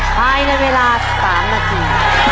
ภายในเวลา๓นาที